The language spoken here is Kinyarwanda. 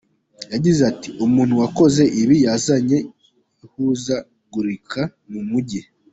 Yagize ati : “Umuntu wakoze ibi yazanye ihuzagurika mu Mujyi.